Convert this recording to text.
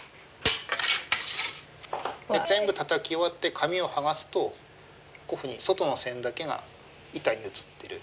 全部たたき終わって紙を剥がすとこういうふうに外の線だけが板に写ってる。